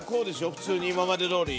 普通に今までどおり。